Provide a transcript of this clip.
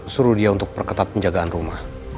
suruh dia untuk perketat penjagaan rumah